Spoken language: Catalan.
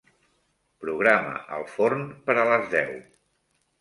Programa el forn per a les deu.